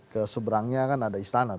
ke seberangnya kan ada istana